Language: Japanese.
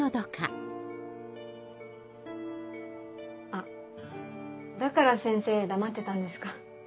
あっだから先生黙ってたんですか。